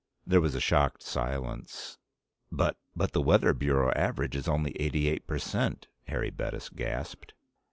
There was a shocked silence. "But but the Weather Bureau average is only eighty eight percent!" Harry Bettis gasped.